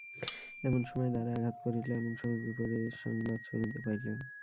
এমন সময় দ্বারে আঘাত পড়িল, এমন সময়ে বিপদের সংবাদ শুনিতে পাইলেন।